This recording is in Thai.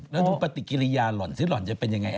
แล้วดูปฏิกิริยาหล่อนซิหล่อนจะเป็นยังไง